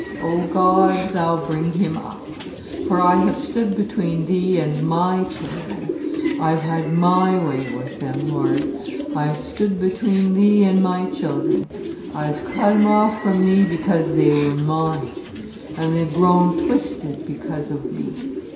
O God, Thou bring him up. For I have stood between Thee and my children; I've had my way with them, Lord; I've stood between Thee and my children; I've cut 'em off from Thee because they were mine. And they've grown twisted, because of me.